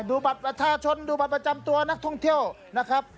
ดูบัตรประชาชนดูบัตรประจำตัวนักท่องเที่ยวนะครับ